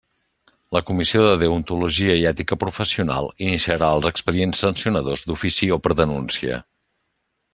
La Comissió de Deontologia i Ètica Professional iniciarà els expedients sancionadors d'ofici o per denúncia.